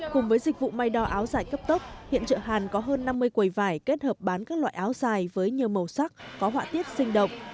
cùng với dịch vụ may đo áo dài cấp tốc hiện chợ hàn có hơn năm mươi quầy vải kết hợp bán các loại áo dài với nhiều màu sắc có họa tiết sinh động